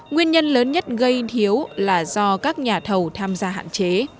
nguyên nhân lớn nhất gây thiếu là do các nhà thầu tham gia hạn chế